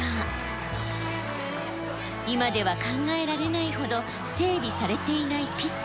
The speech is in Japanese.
今では考えられないほど整備されていないピッチ。